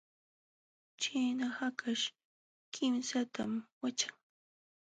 Ćhina hakaśh kimsatam waćhan.